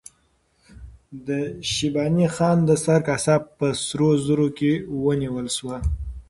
د شیباني خان د سر کاسه په سرو زرو کې ونیول شوه.